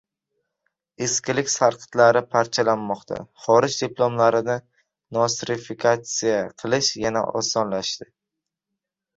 Eskilik sarqitlari parchalanmoqda: Xorij diplomlarini nostrifikatsiya qilish yanada osonlashdi